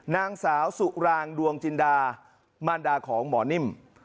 นางสาวสุรางดวงจินดามารดาของหมอนิ่ม